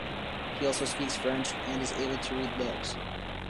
He also speaks French, and is able to read lips.